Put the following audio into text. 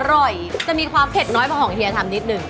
จะมีความเผ็ดน้อยพอของเฮียทำนิดนึง